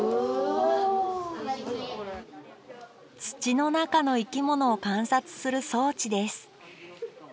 土の中の生き物を観察する装置です